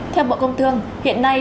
theo bộ công thương hiện nay